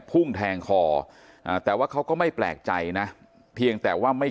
พุ่งแทงคออ่าแต่ว่าเขาก็ไม่แปลกใจนะเพียงแต่ว่าไม่